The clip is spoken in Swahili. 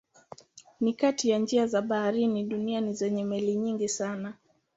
Ni kati ya njia za bahari duniani zenye meli nyingi sana.